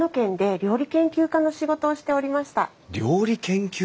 料理研究家！